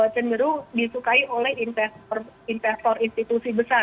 cenderung disukai oleh investor institusi besar